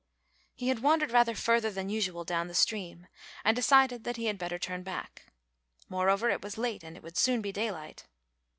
He had wandered rather further than usual down the stream and decided that he had better turn back; moreover it was late and it would soon be daylight.